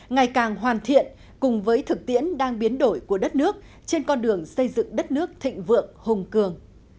ngày càng hoàn thiện cùng với thực tiễn đang biến đổi của đất nước trên con đường xây dựng đất nước thịnh vượng hùng cường